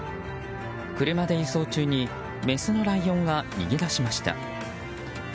車で輸送中にメスのライオンが逃げ出しました。